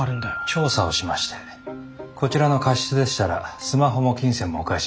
調査をしましてこちらの過失でしたらスマホも金銭もお返しします。